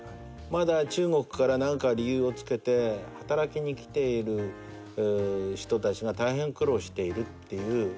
まだ中国から何か理由を付けて働きに来ている人たちが大変苦労しているっていうそういう時代でね。